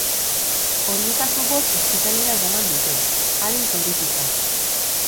Horietako bost ospitalera eraman dute, arin zaurituta.